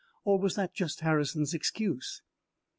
"Or was that just Harrison's excuse?"